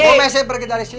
bu messi pergi dari sini